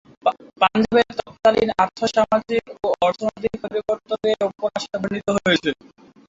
পাঞ্জাবের তৎকালীন আর্থ-সামাজিক ও অর্থনৈতিক পরিবর্তনও এই উপন্যাসে বর্ণিত হয়েছে।